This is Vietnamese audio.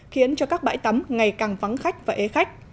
khiến cho các bãi tắm ngày càng vắng khách và ế khách